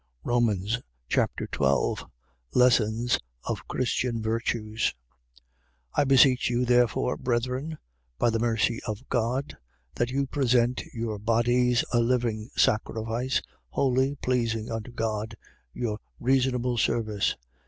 Romans Chapter 12 Lessons of Christian virtues. 12:1. I beseech you therefore, brethren, by the mercy of God, that you present your bodies a living sacrifice, holy, pleasing unto God, your reasonable service.